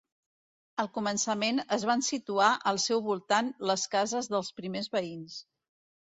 Al començament es van situar al seu voltant les cases dels primers veïns.